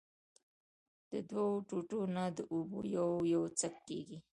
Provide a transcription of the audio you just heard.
د دؤو ټوټو نه د اوبو يو يو څک کېږي